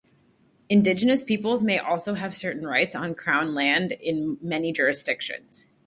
Indigenous peoples may also have certain rights on Crown land in many jurisdictions.